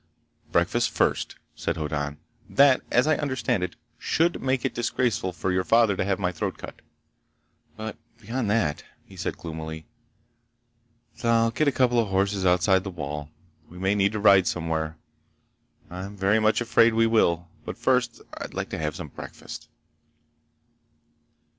"Breakfast first," said Hoddan. "That, as I understand it, should make it disgraceful for your father to have my throat cut. But beyond that—" He said gloomily. "Thal, get a couple of horses outside the wall. We may need to ride somewhere. I'm very much afraid we will. But first I'd like to have some breakfast."